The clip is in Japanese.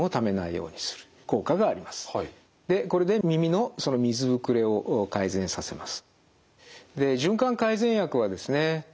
でこれで耳の水ぶくれを改善させます。